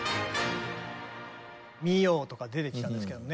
ミヨーとか出てきたんですけどね